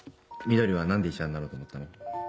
みどりは何で医者になろうと思ったの？